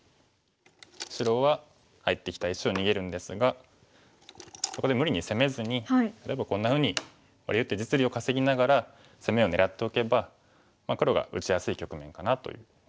白は入ってきた石を逃げるんですがそこで無理に攻めずに例えばこんなふうにワリウって実利を稼ぎながら攻めを狙っておけば黒が打ちやすい局面かなと思います。